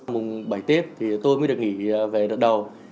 mùng bảy tết thì tôi mới được nghỉ về đợt đầu